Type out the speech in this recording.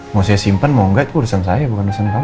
mau saya simpan mau enggak itu urusan saya bukan urusan kamu